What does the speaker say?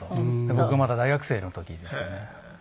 僕がまだ大学生の時ですね。